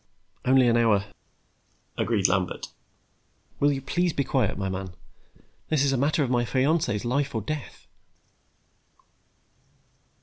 "Only an hour," agreed Lambert. "Will you please be quiet, my man? This is a matter of my fiancée's life or death."